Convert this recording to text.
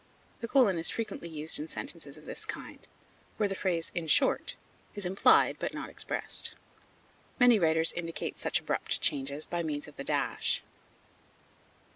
The colon is frequently used in sentences of this kind, where the phrase "in short" is implied but is not expressed. Many writers indicate such abrupt changes by means of the dash.